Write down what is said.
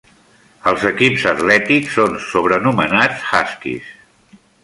Els equips atlètics són sobrenomenats Huskies.